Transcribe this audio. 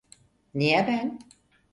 Niye ben?